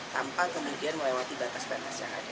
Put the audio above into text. tanpa kemudian melewati batas batas yang ada